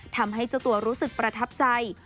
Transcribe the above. ทำให้เจ้าตัวรู้สึกประทับใจ